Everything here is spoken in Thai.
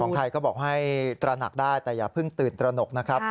ใครก็บอกให้ตระหนักได้แต่อย่าเพิ่งตื่นตระหนกนะครับ